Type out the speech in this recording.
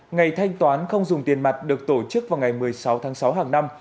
ngày thanh toán không dùng tiền mặt được tổ chức vào ngày một mươi sáu tháng sáu hàng năm